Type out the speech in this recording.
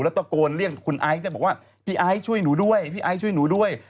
ตะโกนเรียกคุณไอซ์จะบอกว่าพี่ไอซ์ช่วยหนูด้วยพี่ไอซ์ช่วยหนูด้วย